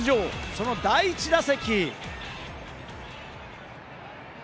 その第１打席。